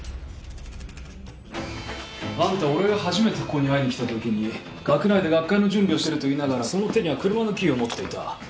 あんた俺が初めてここに会いに来たときに学内で学会の準備をしてると言いながらその手には車のキーを持っていた。